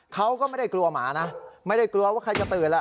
เขาก็ไม่ได้กลัวหมานะไม่ได้กลัวว่าใครจะตื่นแล้ว